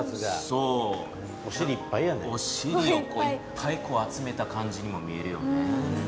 おしりをいっぱい集めた感じにも見えるよね。